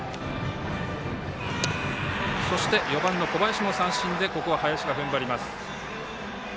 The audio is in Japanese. そして、４番の小林も三振でここは林がふんばります。